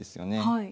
はい。